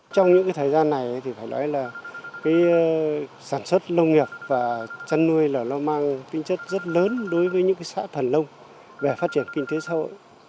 trong những thời gian này thì phải nói là sản xuất lông nghiệp và chăn nuôi là nó mang tinh chất rất lớn đối với những xã thần lông về phát triển kinh tế sau